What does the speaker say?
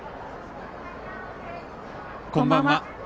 こんばんは。